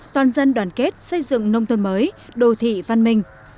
toàn dân đoàn kết xây dựng nông tôn mới đồ thị văn minh